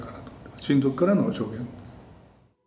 親族からの証言。